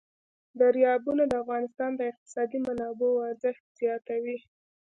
دریابونه د افغانستان د اقتصادي منابعو ارزښت زیاتوي.